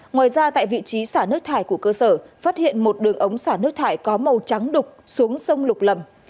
ngoài ra tại vị trí xả nước thải của cơ sở phát hiện một đường ống xả nước thải có màu trắng đục xuống sông lục lầm